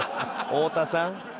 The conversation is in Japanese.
太田さん。